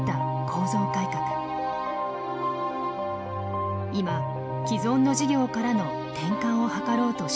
今既存の事業からの転換を図ろうとしています。